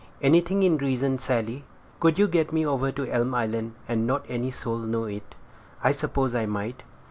"Anything in reason, Sally." "Could you get me over to Elm Island, and not any soul know it?" "I suppose I might."